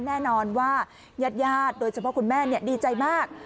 แน่นอนว่ายัดญาติโดยคุณแม่เนี่ยดีใจมาก